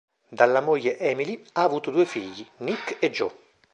Dalla moglie Emily, ha avuto due figli, Nick e Joe.